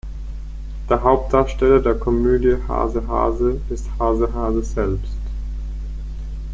Der Hauptdarsteller der Komödie "Hase Hase" ist Hase Hase selbst.